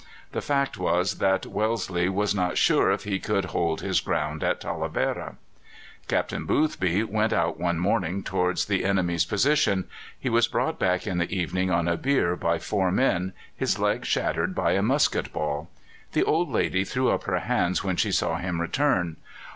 The fact was that Wellesley was not sure if he could hold his ground at Talavera. Captain Boothby went out one morning towards the enemy's position; he was brought back in the evening on a bier by four men, his leg shattered by a musket ball. The old lady threw up her hands when she saw him return.